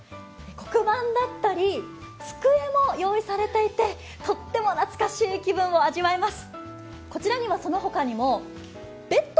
黒板だったり、机も用意されていてとっても懐かしい気分を味わえます。